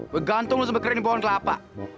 begantung lu sempet kerenin pohon kelapa